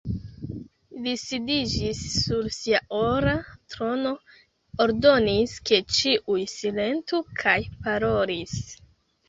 Li sidiĝis sur sia ora trono, ordonis, ke ĉiuj silentu kaj parolis: